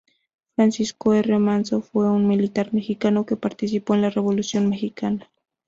Francisco R. Manzo fue un militar mexicano que participó en la Revolución mexicana.